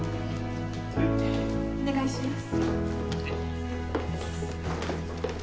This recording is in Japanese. お願いします